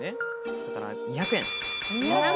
だから２００円。